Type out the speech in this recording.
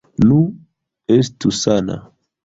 Nu, estu sana.